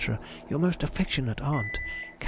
Your most affectionate aunt, CAR.